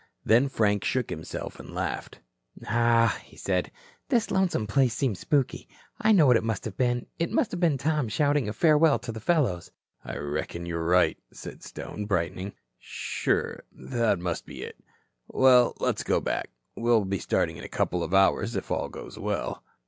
Then Frank shook himself and laughed. "Pshaw," said he, "this lonesome place seems spooky. I know what it must have been. It must have been Tom shouting a farewell to the fellows." "Reckon you're right," said Stone, brightening. "Sure, that must be it. Well, let's go back. We'll be starting in a couple of hours, if all goes well."